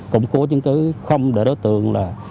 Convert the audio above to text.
củng cố những không để đối tượng